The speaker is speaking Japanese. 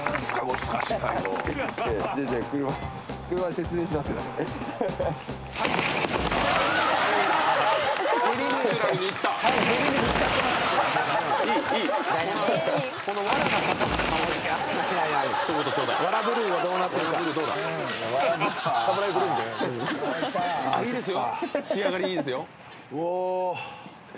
仕上がりいいですよ」